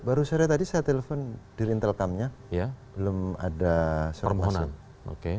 baru sore tadi saya telepon di rintel kamnya belum ada informasi